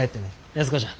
安子ちゃん。